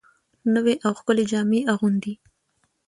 نوې او ښکلې جامې اغوندي